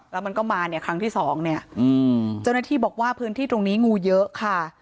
แล้วมันก็มาเนี่ยครั้งที่สองเนี่ยเจ้าหน้าที่บอกว่าพื้นที่ตรงนี้งูเยอะค่ะ